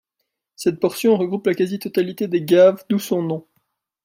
Cette portion regroupe la quasi-totalité des gaves d'où son nom.